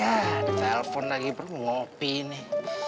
yah ada telepon lagi perlu ngopi nih